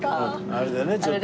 あれでねちょっと。